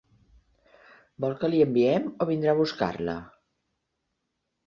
Vol que li enviem o vindrà a buscar-la?